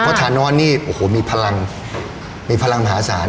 เพราะทานอนนี่โอ้โหมีพลังมีพลังมหาศาล